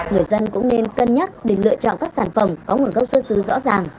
người dân cũng nên cân nhắc để lựa chọn các sản phẩm có nguồn gốc xuất xứ rõ ràng